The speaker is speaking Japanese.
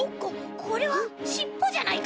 これはしっぽじゃないか！？